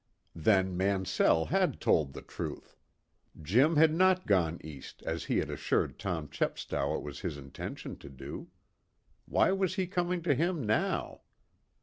Then Mansell had told the truth. Jim had not gone east as he had assured Tom Chepstow it was his intention to do. Why was he coming to him now?